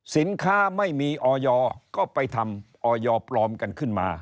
สินค้าไม่มีออยก็ไปทำออยปลอมกันขึ้นมา